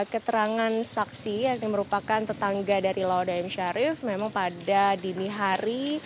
keterangan saksi yang merupakan tetangga dari laude m syarif memang pada dini hari